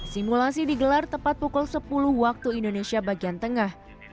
simulasi digelar tepat pukul sepuluh waktu indonesia bagian tengah